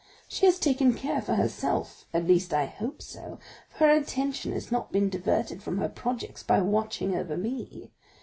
She has taken care for herself,—at least I hope so,—for her attention has not been diverted from her projects by watching over me.